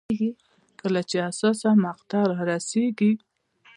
کله چې حساسه مقطعه رارسېږي.